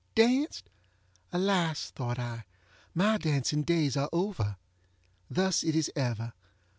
Danced! Alas, thought I, my dancing days are over! Thus it is ever.